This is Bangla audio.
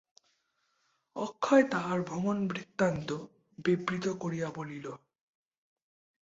অক্ষয় তাহার ভ্রমণবৃত্তান্ত বিবৃত করিয়া বলিল।